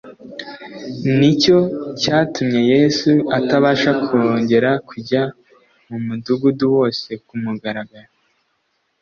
ni cyo cyatumye Yesu atabasha kongera kujya mu mudugudu wose ku mugaragaro,